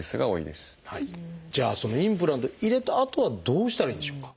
じゃあそのインプラントを入れたあとはどうしたらいいんでしょうか？